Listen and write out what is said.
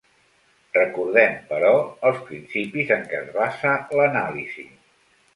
Recordem, però, els principis en què es basa l'anàlisi.